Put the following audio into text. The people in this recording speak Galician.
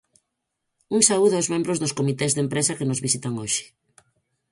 Un saúdo aos membros dos comités de empresa que nos visitan hoxe.